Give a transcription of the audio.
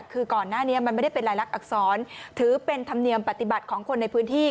คือก่อนหน้านี้มันไม่ได้เป็นรายลักษรถือเป็นธรรมเนียมปฏิบัติของคนในพื้นที่